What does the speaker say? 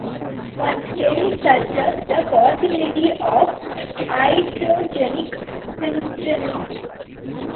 One study suggests the possibility of iatriogenic syndemics.